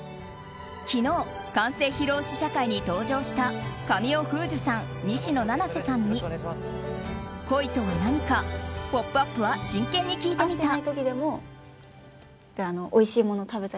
昨日、完成披露試写会に登場した神尾楓珠さん、西野七瀬さんに恋とは何か「ポップＵＰ！」は真剣に聞いてみた。